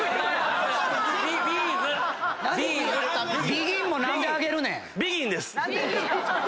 ＢＥＧＩＮも何で上げるねん？